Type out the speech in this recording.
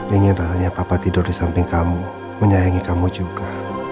ingin rakyat apa tidur di samping kamu menyayangi kamu juga